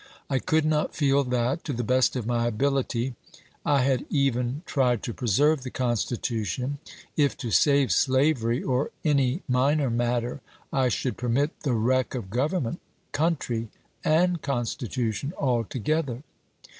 I could not feel that, to the best of my ability, I had even tried to preserve the Constitution, if, to save slavery or any minor matter, I should permit the wreck of Government, country, and Constitution all together.